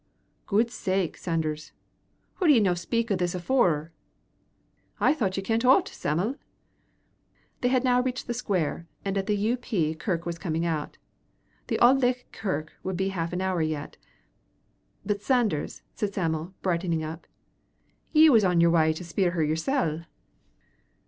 "Guid sake, Sanders, hoo did ye no speak o' this afoore?" "I thocht ye kent o't, Sam'l." They had now reached the square, and the U.P. kirk was coming out. The Auld Licht kirk would be half an hour yet. "But, Sanders," said Sam'l, brightening up, "ye was on yer wy to spier her yersel."